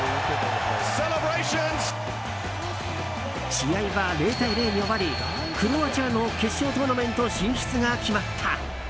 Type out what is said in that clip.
試合は０対０に終わりクロアチアの決勝トーナメント進出が決まった。